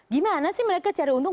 gimana sih mereka cari untung